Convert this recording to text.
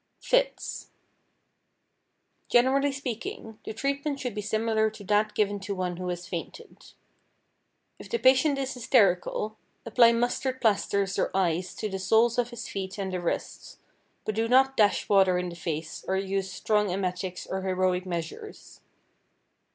=Fits.= Generally speaking, the treatment should be similar to that given to one who has fainted. If the patient is hysterical, apply mustard plasters or ice to the soles of his feet and the wrists, but do not dash water in the face or use strong emetics or heroic measures.